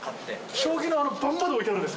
将棋の盤まで置いてるんです